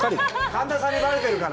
神田さんにばれてるから。